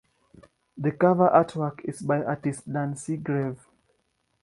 The cover artwork is by artist Dan Seagrave.